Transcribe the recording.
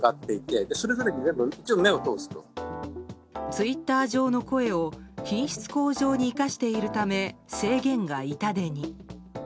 ツイッター上の声を品質向上に生かしているため制限が痛手に。